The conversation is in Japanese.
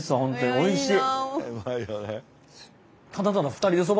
おいしい。